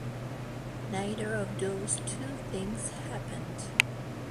Neither of those two things happened.